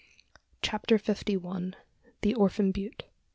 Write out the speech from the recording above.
CHAPTER FIFTY ONE. THE ORPHAN BUTTE.